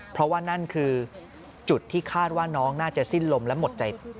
เพราะว่านั่นคือจุดที่คาดว่าน้องน่าจะสิ้นลมและหมดใจ